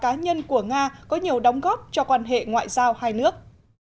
các cá nhân của nga có nhiều đóng góp cho quan hệ ngoại giao hai nước